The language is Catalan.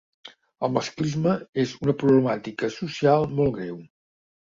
El masclisme és una problemàtica social molt greu.